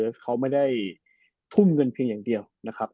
เขาไม่ได้ทุ่มเงินเพียงอย่างเดียวนะครับ